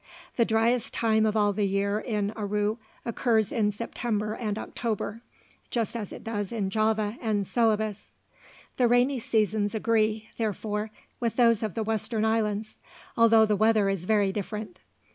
The driest time of all the year in Aru occurs in September and October, just as it does in Java and Celebes. The rainy seasons agree, therefore, with those of the western islands, although the weather is very different.